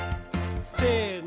せの。